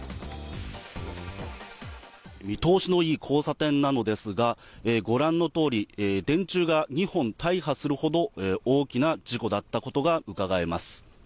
見通しのいい交差点なのですが、ご覧のとおり電柱が２本大破するほど、大きな事故だったことが伺えます。